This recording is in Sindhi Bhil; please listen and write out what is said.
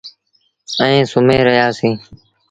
ائيٚݩ سُمهي رهيآ سيٚݩ۔